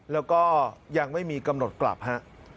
แล้วก็ยังไม่มีกำหนดกลับฮะ